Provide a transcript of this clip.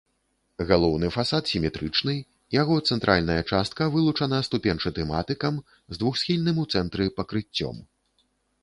Галоўны фасад сіметрычны, яго цэнтральная частка вылучана ступеньчатым атыкам з двухсхільным у цэнтры пакрыццём.